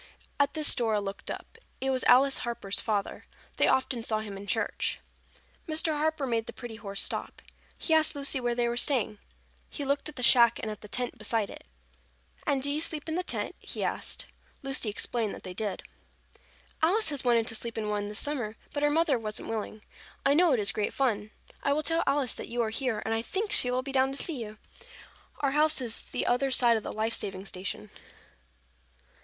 At this Dora looked up. It was Alice Harper's father. They often saw him in church. Mr. Harper made the pretty horse stop. He asked Lucy where they were staying. He looked at the shack and at the tent beside it. "And do you sleep in the tent?" he asked. Lucy explained that they did. "Alice has wanted to sleep in one this summer, but her mother wasn't willing. I know it is great fun. I will tell Alice that you are here and I think she will be down to see you. Our house is the other side of the life saving station."